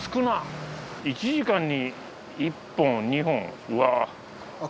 １時間に１本２本うわぁ。